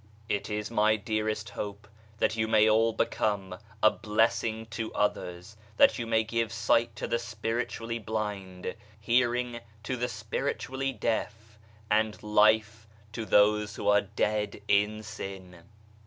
It is my dearest hope that you may all become a blessing to others, that you may give sight to the Spiritually blind, hearing to the Spiritually deaf and life to those who are dead in sin.